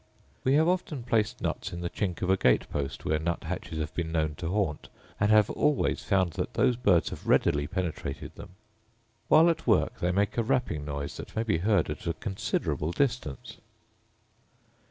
We have often placed nuts in the chink of a gate post where nut hatches have been known to haunt, and have always found that those birds have readily penetrated them. While at work they make a rapping noise that may be heard at a considerable distance.